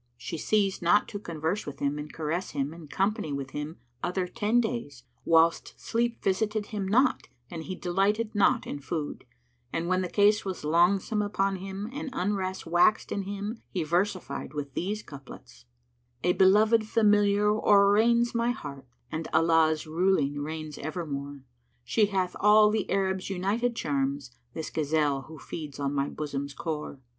She ceased not to converse with him and caress him and company with him other ten days, whilst sleep visited him not and he delighted not in food; and when the case was longsome upon him and unrest waxed in him, he versified with these couplets, "A beloved familiar o'erreigns my heart * And Allah's ruling reigns evermore: She hath all the Arabs' united charms * This gazelle who feeds on my bosom's core.